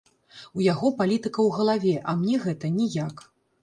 У яго палітыка ў галаве, а мне гэта ніяк.